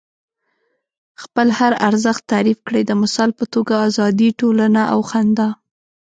خپل هر ارزښت تعریف کړئ. د مثال په توګه ازادي، ټولنه او خندا.